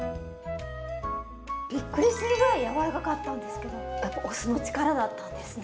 びっくりするぐらい柔らかかったんですけどやっぱお酢の力だったんですね。